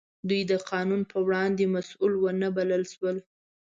دوی د قانون په وړاندې مسوول ونه بلل شول.